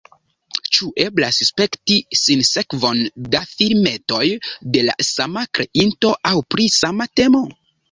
Ĉu eblas spekti sinsekvon da filmetoj de la sama kreinto aŭ pri sama temo?